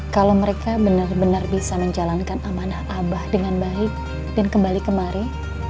kalau mereka benar benar bisa menjalankan amanah abah dengan baik dan kembali kemari